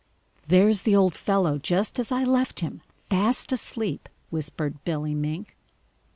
"There's the old fellow just as I left him, fast asleep," whispered Billy Mink.